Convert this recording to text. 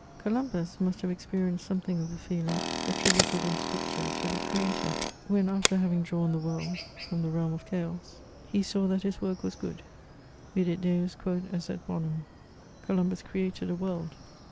Co lumbus must have experienced something of the feeling attributed in scripture to the Creator, when after having drawn the world £rom the realm of chaos, He saw that His work was good : vidit Detis qtiod esset bonum. Columbus created a world.